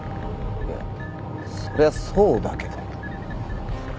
いやそりゃそうだけど。